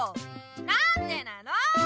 なんでなの！